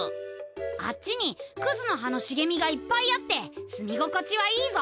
あっちにクズの葉の茂みがいっぱいあって住み心地はいいぞ。